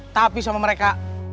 tapi sama mereka